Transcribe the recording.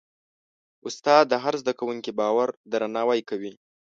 استاد د هر زده کوونکي باور درناوی کوي.